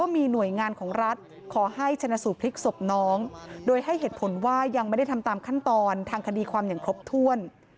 ไม่ได้ทำตามขั้นตอนทางคดีความอย่างครบถ้วน